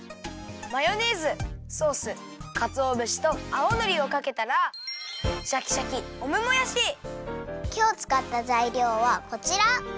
マヨネーズソースかつおぶしと青のりをかけたらシャキシャキきょうつかったざいりょうはこちら。